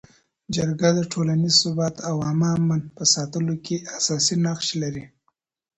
جرګه د ټولنیز ثبات او عامه امن په ساتلو کي اساسي نقش لري.